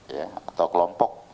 ya atau kelompok